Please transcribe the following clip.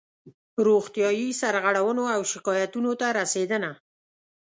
روغتیایي سرغړونو او شکایاتونو ته رسېدنه